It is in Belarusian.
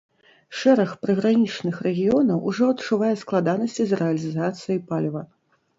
Шэраг прыгранічных рэгіёнаў ужо адчувае складанасці з рэалізацыяй паліва.